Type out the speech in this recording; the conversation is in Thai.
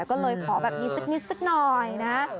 ก็เลยขอแบบนี้สักนิดสักหน่อยนะ